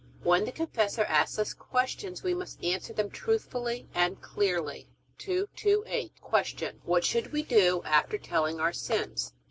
When the confessor asks us questions we must answer them truthfully and clearly. 228. Q. What should we do after telling our sins?